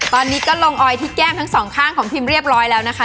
ตอนนี้ก็ลงออยที่แก้มทั้งสองข้างของพิมเรียบร้อยแล้วนะคะ